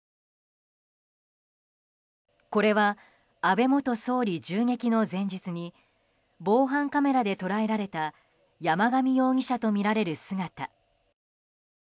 これは安倍元総理銃撃の前日に防犯カメラで捉えられた山上容疑者とみられる姿。